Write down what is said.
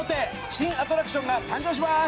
新アトラクションが誕生します。